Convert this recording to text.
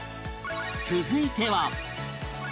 続いては